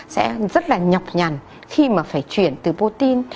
sẽ rất là nhọc nhằn khi mà phải chuyển từ putin